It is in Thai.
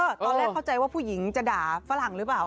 ตอนแรกเข้าใจว่าผู้หญิงจะด่าฝรั่งหรือเปล่า